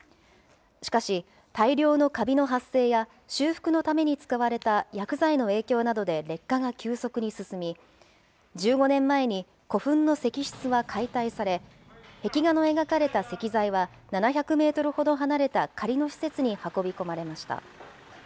しかし、大量のかびの発生や修復のために使われた薬剤の影響などで劣化が急速に進み、１５年前に古墳の石室は解体され、壁画の描かれた石材は７００メートルほど離れた仮の施設に運び込まれました。